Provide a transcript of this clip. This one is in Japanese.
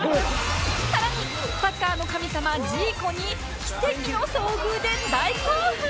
さらにサッカーの神様ジーコに奇跡の遭遇で大興奮！